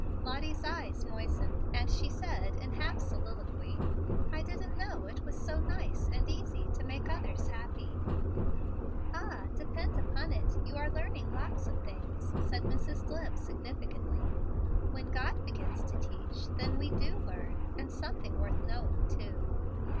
Lottie's eyes moistened, and she said in half soliloquy, "I didn't know it was so nice and easy to make others happy." "Ah! depend upon it, you are learning lots of things," said Mrs. Dlimm, significantly. "When God begins to teach, then we do learn, and something worth knowing, too."